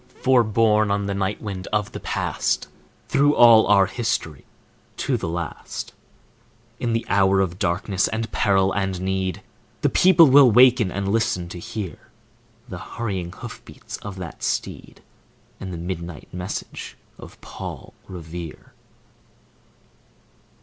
For, borne on the night wind of the Past, Through all our history, to the last, In the hour of darkness and peril and need, The people will waken and listen to hear The hurrying hoof beats of that steed, And the midnight message of Paul Revere.